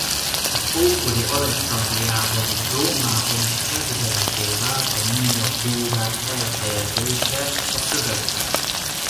Az ókori Alexandriában és Rómában is kedveltté vált a miniatúrák elhelyezése a szövegben.